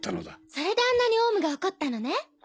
それであんなに王蟲が怒ったのね。